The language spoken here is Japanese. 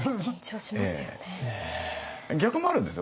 逆もあるんですよ。